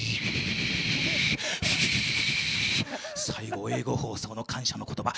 最後は英語放送の感謝の言葉。